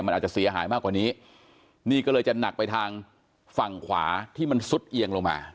มันอาจจะเสียหายมากกว่านี้นี่ก็เลยจะหนักไปทางฝั่งขวาที่มันซุดเอียงลงมา